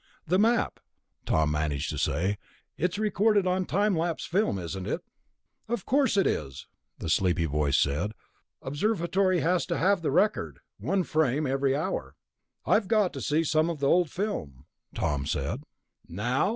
"The Map," Tom managed to say. "It's recorded on time lapse film, isn't it?" "'Course it is," the sleepy voice said. "Observatory has to have the record. One frame every hour...." "I've got to see some of the old film," Tom said. "_Now?